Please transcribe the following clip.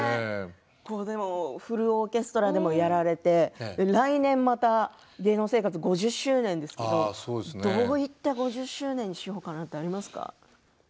フルオーケストラでもやられて来年また芸能生活５０周年ですけどどういった５０周年にしようかなってありますか。